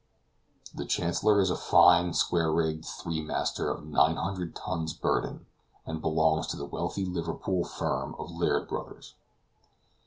The Chancellor is a fine square rigged three master, of 900 tons burden, and belongs to the wealthy Liverpool firm of Laird Brothers.